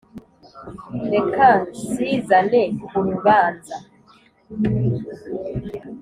Ati: "Reka nsizane ku rubanza,